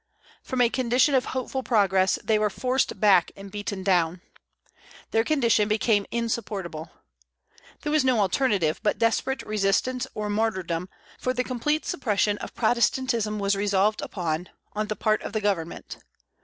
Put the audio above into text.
From a condition of hopeful progress, they were forced back and beaten down. Their condition became insupportable. There was no alternative but desperate resistance or martyrdom, for the complete suppression of Protestantism was resolved upon, on the part of the government.